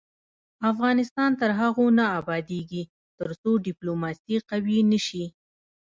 افغانستان تر هغو نه ابادیږي، ترڅو ډیپلوماسي قوي نشي.